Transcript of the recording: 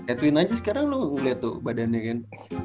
edwin aja sekarang lu liat tuh badannya kan